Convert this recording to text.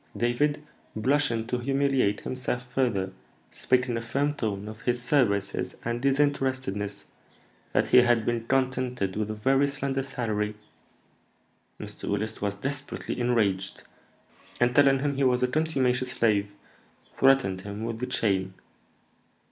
David, blushing to humiliate himself further, spake in a firm tone of his services and disinterestedness, that he had been contented with a very slender salary. Mr. Willis was desperately enraged, and, telling him he was a contumacious slave, threatened him with the chain.